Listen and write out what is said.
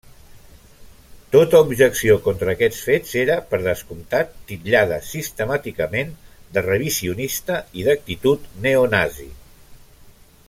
Tota objecció contra aquests fets era, per descomptat, titllada sistemàticament de revisionista i d'actitud neonazi.